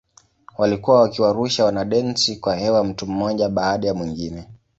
Walikuwa wakiwarusha wanadensi kwa hewa mtu mmoja baada ya mwingine.